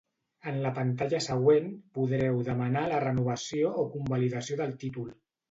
En la pantalla següent podreu demanar la renovació o convalidació del títol.